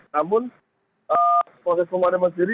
namun proses pemadaman sendiri